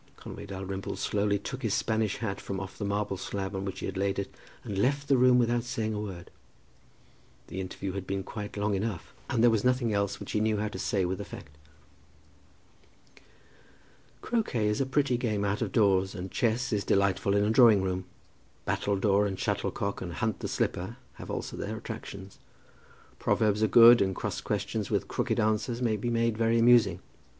Conway Dalrymple slowly took his Spanish hat from off the marble slab on which he had laid it, and left the room without saying a word. The interview had been quite long enough, and there was nothing else which he knew how to say with effect. Croquet is a pretty game out of doors, and chess is delightful in a drawing room. Battledoor and shuttlecock and hunt the slipper have also their attractions. Proverbs are good, and cross questions with crooked answers may be made very amusing.